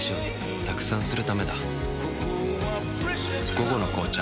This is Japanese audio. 「午後の紅茶」